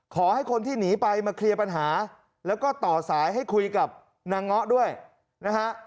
ขอให้คนที่หนีไปมาเคลียร์ปัญหาแล้วก็ต่อสายให้คุยกับนางเงาะด้วยนะฮะ